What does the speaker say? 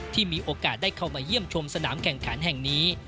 ที่มีโอกาสได้เข้ามาเยี่ยมชมสนามแข่งขันแห่งนี้